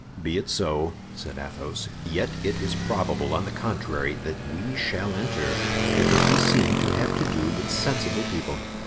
"Be it so," said Athos; "yet it is probable, on the contrary, that we shall enter, because we seem to have to do with sensible people.